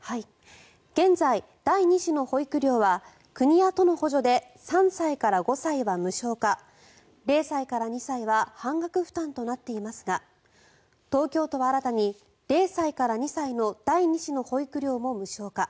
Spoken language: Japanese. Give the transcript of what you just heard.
現在、第２子の保育料は国や都の補助で３歳から５歳は無償化０歳から２歳は半額負担となっていますが東京都は新たに０歳から２歳の第２子の保育料も無償化。